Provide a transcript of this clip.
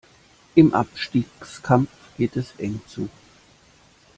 Im Abstiegskampf geht es eng zu.